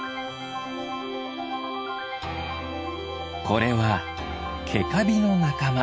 これはケカビのなかま。